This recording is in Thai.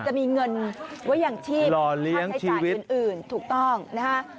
จะมีเงินไว้อย่างชีพรอเลี้ยงชีวิตให้จ่ายอื่นอื่นถูกต้องนะฮะ